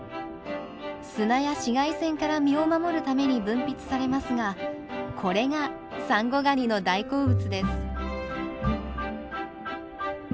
砂や紫外線から身を守るために分泌されますがこれがサンゴガニの大好物です。